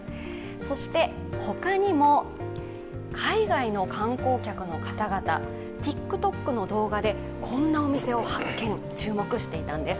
そして他にも海外の観光客の方々、ＴｉｋＴｏｋの動画で、こんなお店を発見注目していたんです。